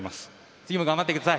次も頑張ってください。